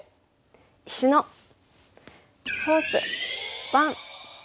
「石のフォース１」。